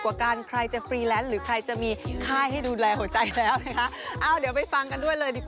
เพราะว่าพี่ลิคจะมาหาที่บ้านบ่อยที่สุดอะไรอย่างงี้